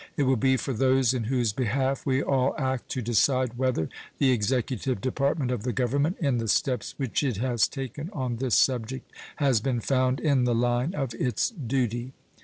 It will be for those in whose behalf we all act to decide whether the executive department of the Government, in the steps which it has taken on this subject, has been found in the line of its duty.